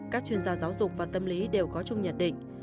các chuyên gia giáo dục và tâm lý đều có chung nhận định